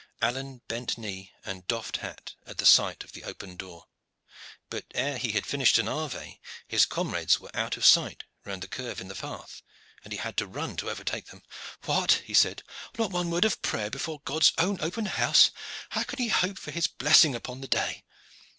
Alleyne bent knee and doffed hat at the sight of the open door; but ere he had finished an ave his comrades were out of sight round the curve of the path, and he had to run to overtake them. "What!" he said, "not one word of prayer before God's own open house? How can ye hope for His blessing upon the day?"